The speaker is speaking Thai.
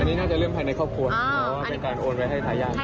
อันนี้น่าจะเรื่องภายในครอบครัวเพราะว่าเป็นการโอนไว้ให้ทายาท